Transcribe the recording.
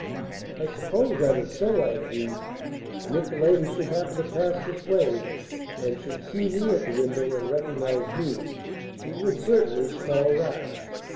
"I suppose that is so," I agreed; "and if the lady should happen to pass this way and should see me at the window and recognize me, she would certainly smell a rat."